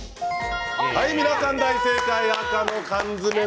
皆さん大正解、赤の缶詰。